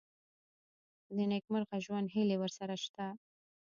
د نېکمرغه ژوند هیلې ورسره شته.